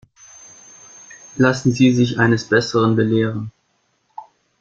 Lassen Sie sich eines Besseren belehren.